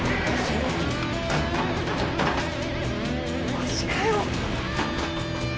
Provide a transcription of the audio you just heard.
マジかよ！